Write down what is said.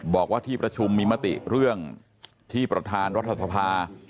บอกว่าที่ประชุมมีมติเรื่องที่ประธานรัฐสภา